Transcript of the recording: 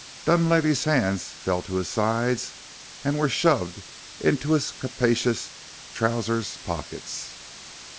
Dunlavey's hands fell to his sides and were shoved into his capacious trousers' pockets.